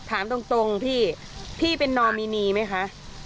ถามตรงพี่พี่เป็นนอมินีไหมคะ